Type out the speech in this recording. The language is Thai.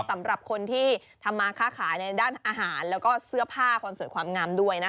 สำหรับคนที่ทำมาค้าขายในด้านอาหารแล้วก็เสื้อผ้าความสวยความงามด้วยนะคะ